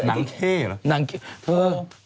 มาเคชี่เหอะ